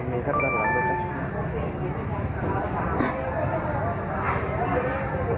มีทัพด้านหลังด้วยครับ